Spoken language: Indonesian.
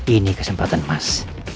ini kesempatan mas